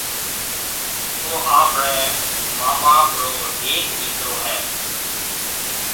او آپرَي مان ٻاپ رو ھيَََڪ ڏيڪرو ھيََََ